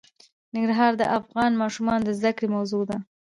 ننګرهار د افغان ماشومانو د زده کړې موضوع ده.